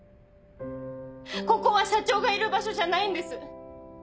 ここは社長がいる場所じゃないんです！